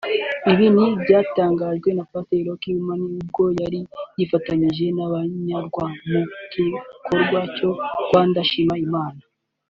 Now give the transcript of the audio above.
Ibi ni ibyatangajwe na pastor Rick Warren ubwo yari yifatanije n’abanyarwa mu gikorwa cya Rwanda Shima Imana